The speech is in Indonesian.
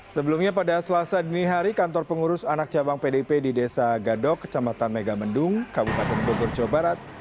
sebelumnya pada selasa dini hari kantor pengurus anak cabang pdp di desa gadok kecamatan megamendung kabupaten bogor jawa barat